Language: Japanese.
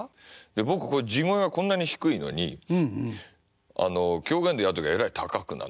僕こう地声がこんなに低いのにあの狂言でやる時はえらい高くなるんですよ。